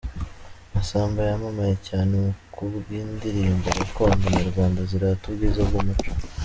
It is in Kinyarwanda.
Masamba yamamaye cyane kubw’indirimbo gakondo nyarwanda zirata ubwiza bw’umuco.